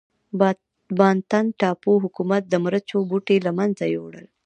بانتن ټاپو حکومت د مرچو بوټي له منځه یووړل.